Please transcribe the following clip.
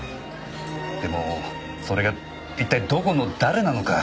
でもそれが一体どこの誰なのか。